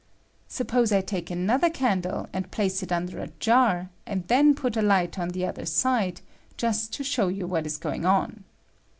Suppose I take another candle, and place it under a jar, and then put a light on the other side, just to show . yott what is going on.